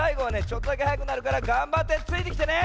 ちょっとだけはやくなるからがんばってついてきてね！